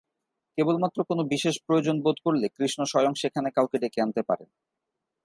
কেবলমাত্র কোন বিশেষ প্রয়োজন বোধ করলে কৃষ্ণ স্বয়ং সেখানে কাউকে ডেকে আনতে পারেন।